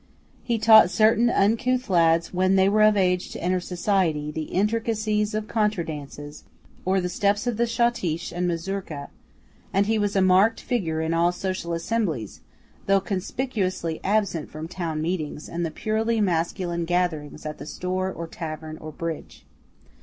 He taught certain uncouth lads, when they were of an age to enter society, the intricacies of contra dances, or the steps of the schottische and mazurka, and he was a marked figure in all social assemblies, though conspicuously absent from town meetings and the purely masculine gatherings at the store or tavern or bridge.